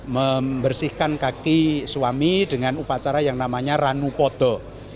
membersihkan kaki suami dengan upacara yang namanya ranu podo